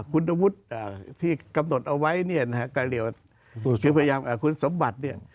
คุณวุฒิที่กำหนดเอาไว้เนี่ยนะฮะการเรียกว่าคุณสมบัติเนี่ย